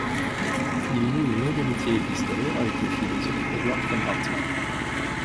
Il noue une longue amitié épistolaire avec le philosophe Eduard von Hartmann.